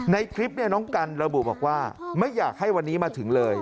ในคลิปเนี่ยน้องกันระบุบอกว่าไม่อยากให้วันนี้มาถึงเลย